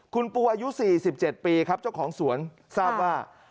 คุณปูอายุ๔๗ปีครับเจ้าของสวนทราบว่า